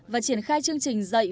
và triển khai chương trình dạy